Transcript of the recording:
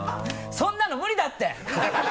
そんなの無理だって！